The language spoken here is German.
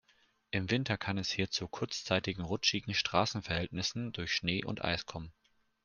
Im Winter kann es hier zu kurzzeitigen rutschigen Straßenverhältnissen durch Schnee und Eis kommen.